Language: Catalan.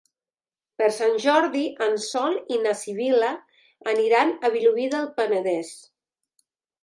Per Sant Jordi en Sol i na Sibil·la aniran a Vilobí del Penedès.